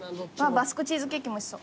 バスクチーズケーキもおいしそう。